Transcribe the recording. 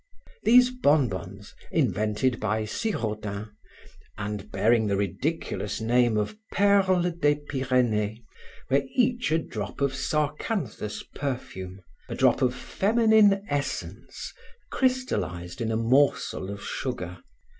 These bonbons invented by Siraudin and bearing the ridiculous name of "Perles des Pyrenees" were each a drop of sarcanthus perfume, a drop of feminine essence crystallized in a morsel of sugar.